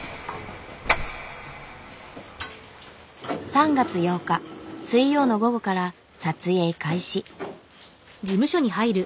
３月８日水曜の午後から撮影開始。